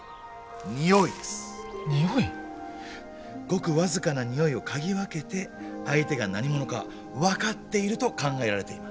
ごく僅かな匂いを嗅ぎ分けて相手が何者か分かっていると考えられています。